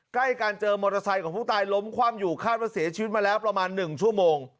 ใกล้กันเจอมอเตอร์ไซค์ของผู้ตายล้มคว่ำอยู่คาดว่าเสียชีวิตมาแล้วประมาณ๑ชั่วโมง